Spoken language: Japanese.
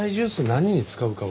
何に使うかは？